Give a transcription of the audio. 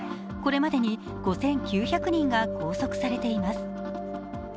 これまでに５９００人が拘束されています。